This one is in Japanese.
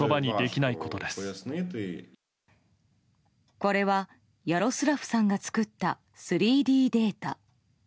これはヤロスラフさんが作った３Ｄデータ。